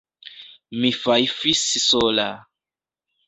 Mi fajfis sola.